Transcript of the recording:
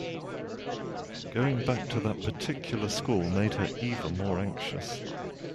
Going back to that particular school made her even more anxious.